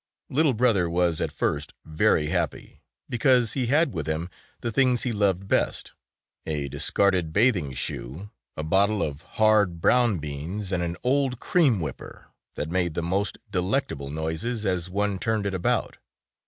Little Brother was at first very happy because he had with him the things he loved best: a discarded bathing shoe, a bottle of hard brown beans and an old cream whipper, that made the most delectable noises as one turned it about.